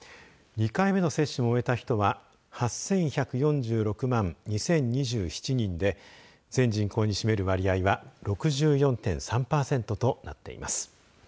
２回目の接種も終えた人は８１４６万２０２７人で全人口に占める割合は６４．３パーセントとなっています。